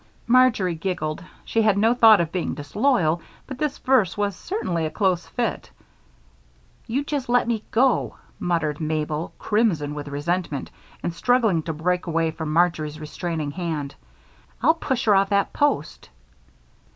Marjory giggled. She had no thought of being disloyal, but this verse was certainly a close fit. "You just let me go," muttered Mabel, crimson with resentment and struggling to break away from Marjory's restraining hand. "I'll push her off that post."